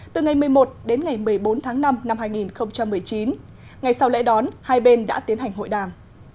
từ ngày một mươi một đến ngày một mươi bốn tháng năm năm hai nghìn một mươi chín ngày sau lễ đón hai bên đã tiến hành hội đàm